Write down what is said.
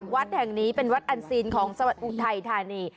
วัดแห่งนี้เป็นวัดอันทรีย์ของบุฒิไทยธารีย์